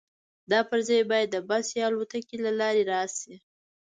دا پرزې باید د بس یا الوتکې له لارې راشي